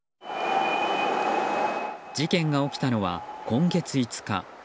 事件が起きたのは今月５日。